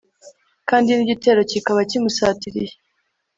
kandi n'igitero kikaba kimusatiriye